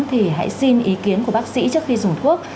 thì hãy xin ý kiến của bác sĩ trước khi dùng thuốc